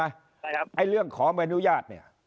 ไอ้เรื่องขออนุญาตเนี่ย